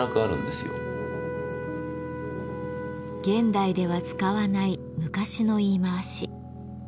現代では使わない昔の言い回し。